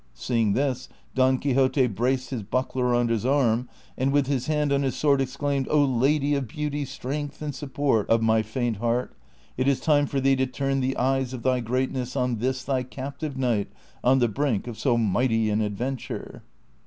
Seeing this, Don Quixote braced his buckler on his arm, and with his hand on his sword exclaimed, " 0 Lady of Beauty, strength and support of my faint heart, it is time for thee to turn the eyes of thy greatness on this thy ca]>tive knight on the brink of so mighty an adventure."